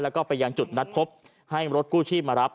แล้วก็ไปยังจุดนัดพบให้รถกู้ชีพมารับ